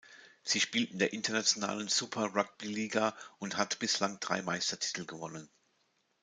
Sie spielt in der internationalen Super Rugby-Liga und hat bislang drei Meistertitel gewonnen.